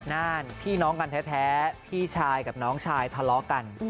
นั่นพี่น้องกันแท้พี่ชายกับน้องชายทะเลาะกัน